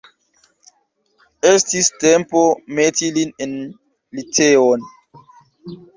Estis tempo meti lin en liceon.